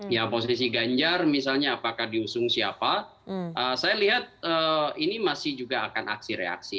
ya posisi ganjar misalnya apakah diusung siapa saya lihat ini masih juga akan aksi reaksi